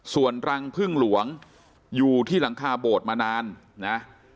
ส่วนรังพึ่งหลวงอยู่ที่หลังคาโบดมานานนะ